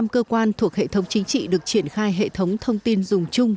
một trăm linh cơ quan thuộc hệ thống chính trị được triển khai hệ thống thông tin dùng chung